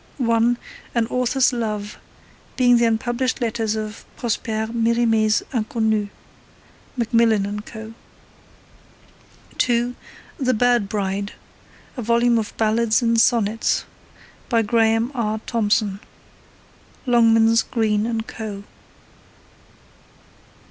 (1) An Author's Love: Being the Unpublished Letters of Prosper Merimee's 'Inconnue.' (Macmillan and Co.) (2) The Bird Bride: A Volume of Ballads and Sonnets. By Graham R. Tomson. (Longmans, Green and Co.)